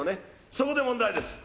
そこで問題です。